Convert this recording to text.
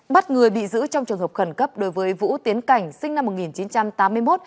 bắt người bị giữ trong trường hợp khẩn cấp đối với vũ tiến cảnh sinh năm một nghìn chín trăm tám mươi một